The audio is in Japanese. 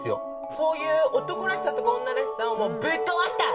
そういう男らしさとか女らしさをもうぶっ壊したい！